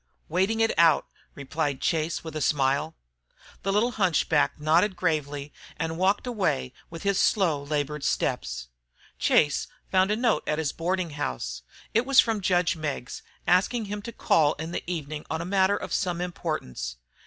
"Waiting it out!" replied Chase, with a smile. The little hunchback nodded gravely and walked away with his slow, labored steps. Chase found a note at his boarding house. It was from judge Meggs, asking him to call in the evening on a matter of some importance.